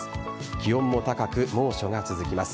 気温も高く猛暑が続きます。